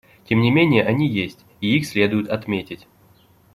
Тем не менее они есть, и их следует отметить.